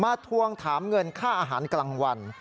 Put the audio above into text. ทวงถามเงินค่าอาหารกลางวัน